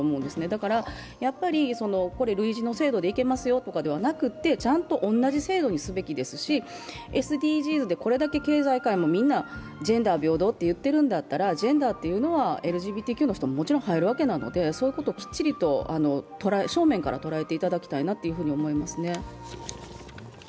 だから、類似の制度でいけますよとかではなくて、ちゃんと同じ制度にすべきですし、ＳＤＧｓで経済界もみんなジェンダー、平等と言っているんだったら、ジェンダーというのはＬＧＢＴＱの人ももちろん入るわけなのでそういうことをきっちりと正面から捉えていただきたいなと思いますね。